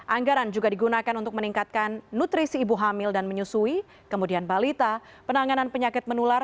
anggaran juga digunakan untuk meningkatkan nutrisi ibu hamil dan menyusui kemudian balita penanganan penyakit menular